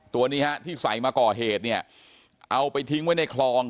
ตัวนี้ฮะที่ใส่มาก่อเหตุเนี่ยเอาไปทิ้งไว้ในคลอง